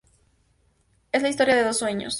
Es la historia de dos sueños.